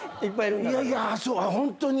いやいやホントに？